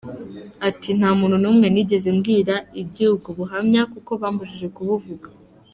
Ati "Nta muntu n’umwe nigeze mbwira iby’ubwo buhamya kuko bambujije kubuvuga.